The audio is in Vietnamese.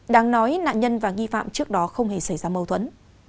đáng nói nạn nhân và nghi phạm trước đó không hề xảy ra mâu thuẫn